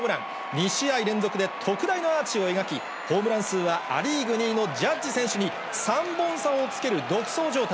２試合連続で特大のアーチを描き、ホームラン数はア・リーグ２位のジャッジ選手に３本差をつける独走状態。